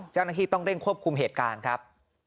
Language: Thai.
เจ้าหน้าที่ต้องเร่งควบคุมเหตุการณ์ครับ